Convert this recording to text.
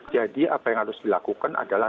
jadi apa yang harus dilakukan adalah